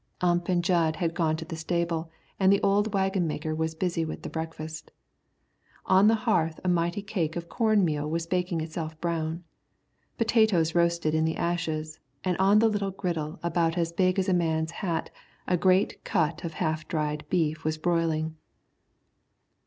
Ump and Jud had gone to the stable and the old waggon maker was busy with the breakfast. On the hearth a mighty cake of corn meal was baking itself brown; potatoes roasted in the ashes, and on a little griddle about as big as a man's hat a great cut of half dried beef was broiling.